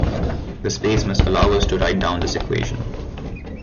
The space must allow us to write down this equation.